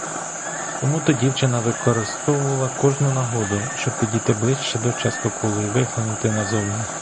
Тому-то дівчина використовувала кожну нагоду, щоб підійти ближче до частоколу й виглянути назовні.